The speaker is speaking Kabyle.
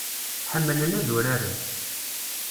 Ḥemmlen ad uraren.